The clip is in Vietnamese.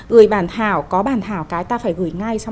gửi bàn thảo có bàn thảo cái ta phải gửi ngay